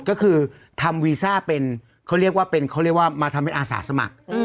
ก็คือทำวีซ่าเป็นเขาเรียกว่ามาทำเป็นอาสาสมัคร